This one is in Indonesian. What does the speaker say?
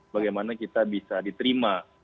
bagaimana kita bisa diterima